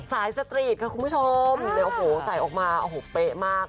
สตรีทค่ะคุณผู้ชมเนี่ยโอ้โหใส่ออกมาโอ้โหเป๊ะมาก